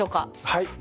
はい。